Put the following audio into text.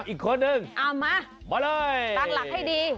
เอาอีกคนหนึ่งตากหลักให้ดี